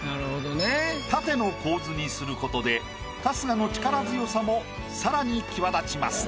縦の構図にすることで春日の力強さも更に際立ちます。